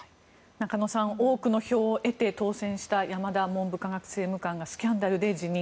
中野さん、多くの票を得て当選した山田文部科学政務官がスキャンダルで辞任。